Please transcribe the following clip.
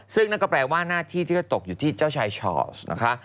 ซึ่งนั่นก็แปลว่าหน้าที่ที่ก็ตกอยู่ที่เจ้าชายชอลสนะคะ